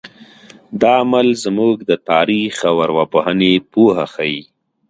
دا عمل زموږ د تاریخ او ارواپوهنې پوهه ښیي.